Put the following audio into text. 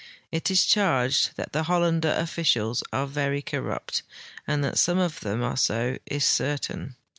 It is cliarged that the Hollander officials are very corrupt, and that some of them are so is certain.